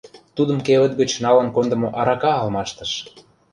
Тудым кевыт гыч налын кондымо арака алмаштыш...